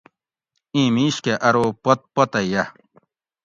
اِیں میش کہ ارو پت پتہ یہ